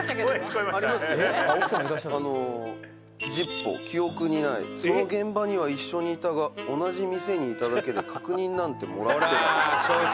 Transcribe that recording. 「“その現場には一緒にいたが同じ店にいただけで確認なんてもらってない”」